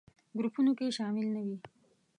ګروپونو کې شامل نه وي.